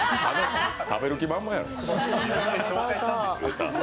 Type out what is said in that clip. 食べる気、満々やろ。